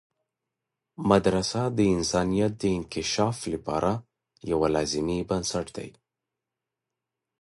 مدرسه د انسانیت د انکشاف لپاره یوه لازمي بنسټ ده.